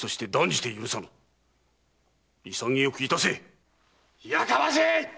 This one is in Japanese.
潔くいたせ‼やかましい！